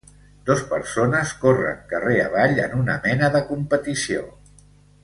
Dos persones corren carrer avall en una mena de competició.